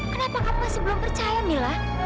kenapa kamu masih belum percaya mila